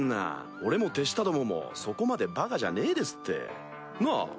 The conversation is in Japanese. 俺も手下どももそこまでバカじゃねえですって。なぁ？